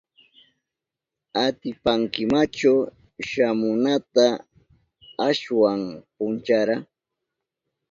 ¿Atipankimachu shamunata ashwan punchara?